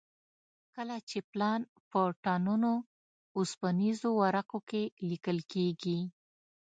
کله چې پلان په ټنونو اوسپنیزو ورقو کې لیکل کېږي.